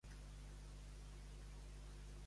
Has flipat, escarabat!